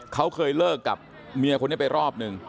เขาเคยเลิกกับเมียคนนี้ไปรอบหนึ่ง